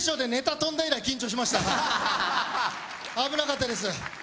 危なかったです。